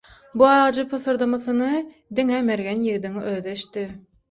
Bu ajy pysyrdamasyny diňe mergen ýigdiň özi eşitdi.